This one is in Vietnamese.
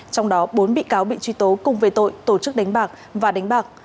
trong đó bốn bị cáo bị truy tố cùng về tội tổ chức đánh bạc và đánh bạc